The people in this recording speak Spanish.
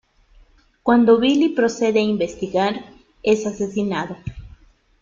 Cuando Billy procede a investigar, es asesinado.